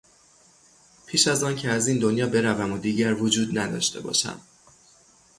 پیش از آنکه از این دنیا بروم و دیگر وجود نداشته باشم.